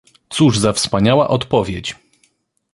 Cóż za wspaniała odpowiedź!